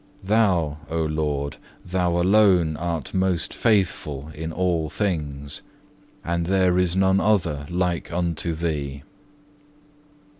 Thou, O Lord, Thou alone art most faithful in all things, and there is none other like unto Thee.